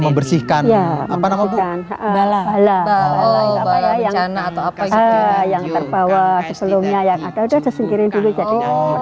membersihkan apa nama bu bala bala yang terbawa sebelumnya yang ada udah disingkirin dulu jadi